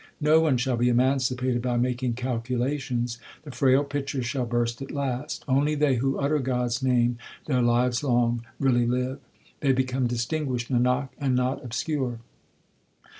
No one shall be emancipated by making calculations ; The frail pitcher shall burst at last. Only they who utter God s name their lives long really live ; They become distinguished, Nanak, and not obscure.